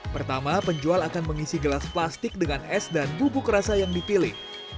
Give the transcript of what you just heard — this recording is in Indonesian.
pertama penjual akan mengisi gelas plastik dengan es dan bubuk rasa yang dipilih